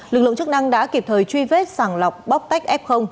lực lượng chức năng đã kịp thời truy vết sàng lọc bóc tách f